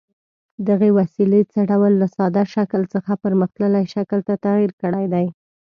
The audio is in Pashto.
دغې وسیلې څه ډول له ساده شکل څخه پرمختللي شکل ته تغیر کړی دی؟